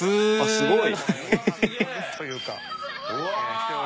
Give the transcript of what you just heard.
すごい！